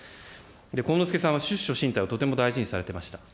幸之助さんは出処進退をとても大事にされてました。